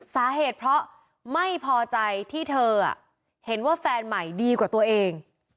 สาเหตุเพราะไม่พอใจที่เธอเห็นว่าแฟนใหม่ดีกว่าตัวเอง